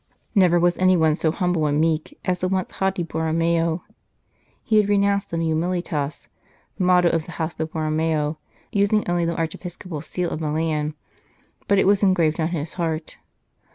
Never was anyone so humble and meek as the once haughty Borromeo. He had renounced the " Humilitas," the motto of the House of Borromeo, using only the archiepiscopal seal of Milan, but it was engraved on his heart.